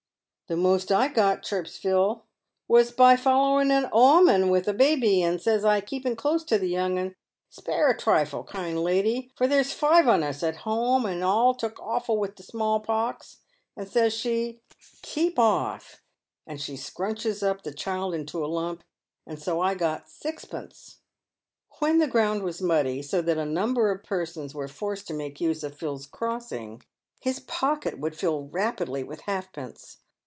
" The most I got," chirps Phil, " was by following a 'oman with a baby, and, says I, keeping close to the young un, ' Spare a trifle, kind 104 PAVED WITH GOLD. lady, for there's five on us at home, and all took awful with the small pox ;' and says she, ' Keep off !' And she scrunches up the child into a lump, and so I got sixpence." "When the ground was muddy, so that a number of persons were forced to make use of Phil's crossing, his pocket would fill rapidly with halfpence.